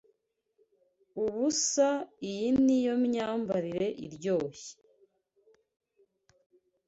Ubusa, Iyi niyo myambarire iryoshye